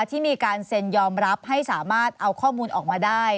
ที่มีการเซ็นยอมรับให้สามารถเอาข้อมูลออกมาได้